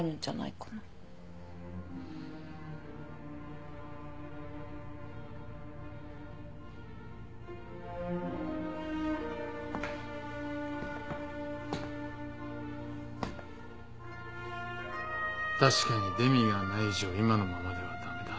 確かにデミがない以上今のままでは駄目だ。